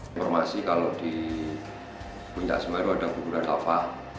informasi kalau di gunung semeru ada guguran lava